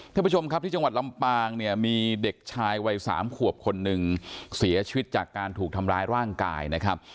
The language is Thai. ท่านผู้ชมครับที่จังหวัดลำปางเนี่ยมีเด็กชายวัยสามขวบคนหนึ่งเสียชีวิตจากการถูกทำร้ายร่างกายนะครับ